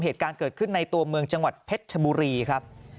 เหตุการณ์เกิดขึ้นในตัวเมืองจังหวัดเพชรชบุรีครับ